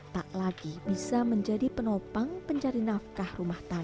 tak lagi bisa menjadi penopang pencari nafkah rumah tangga